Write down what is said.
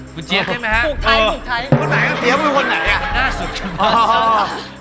คุณหน้าสุดนะครับ